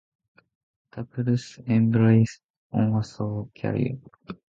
Staples embarked on a solo career.